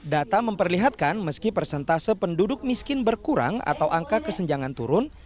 data memperlihatkan meski persentase penduduk miskin berkurang atau angka kesenjangan turun